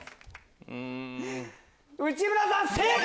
内村さん正解！